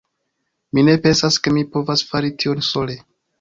Mi ne pensas ke mi povas fari tion sole.